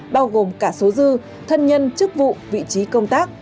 bao gồm cả số dư thân nhân chức vụ vị trí công tác